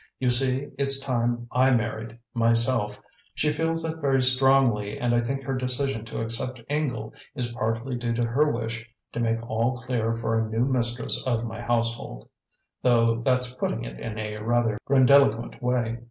You see, it's time I married, myself; she feels that very strongly and I think her decision to accept Ingle is partly due to her wish to make all clear for a new mistress of my household, though that's putting it in a rather grandiloquent way."